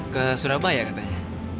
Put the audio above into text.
ke surabaya katanya